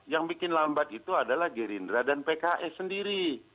yang bikin lambat itu adalah gerindra dan pks sendiri